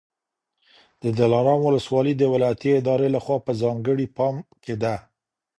د دلارام ولسوالي د ولایتي ادارې لخوا په ځانګړي پام کي ده